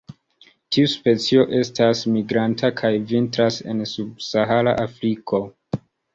Tiu specio estas migranta, kaj vintras en subsahara Afriko.